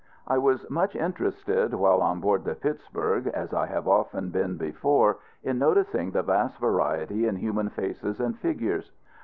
I was much interested, while on board the Pittsburg, as I have often been before, in noticing the vast variety in human faces and features.